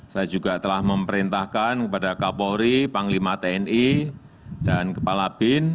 saya juga telah memerintahkan kepada kapolri panglima tni dan kepala bin